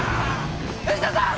藤田さん！